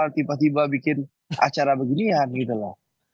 tiba tiba bikin acara beginian gitu loh